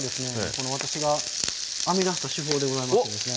この私が編み出した手法でございましてですね。